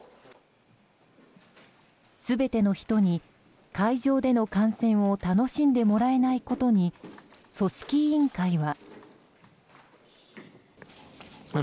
全ての人に会場での観戦を楽しんでもらえないことに組織委員会は。